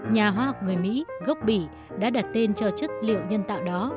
nhà hóa học người mỹ gốc bỉ đã đặt tên cho chất liệu xuất trí đó